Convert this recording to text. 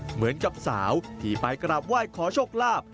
เหมือนกับสาวที่ไปกราบไหว้ขอโชคลาภ